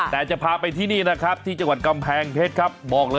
แต่จะพาไปที่นี่นะครับที่จังหวัดกำแพงเพชรครับบอกเลย